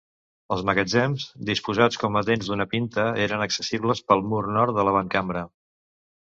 Els magatzems disposats com a dents d'una pinta eren accessibles pel mur nord de l'avantcambra.